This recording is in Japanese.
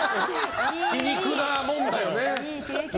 皮肉なもんだよね。